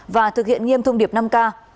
và thực hiện nghiêm thông điệp năm k